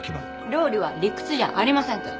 料理は理屈じゃありませんって。